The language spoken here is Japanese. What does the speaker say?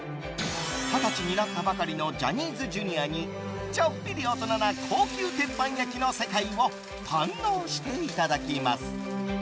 二十歳になったばかりのジャニーズＪｒ．にちょっぴり大人な高級鉄板焼きの世界を堪能していただきます。